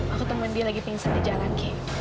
aku temuin dia lagi pingsan di jalan kay